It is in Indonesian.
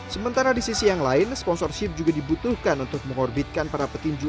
sementara di sisi yang lain sponsorship juga dibutuhkan untuk mengorbitkan para petinju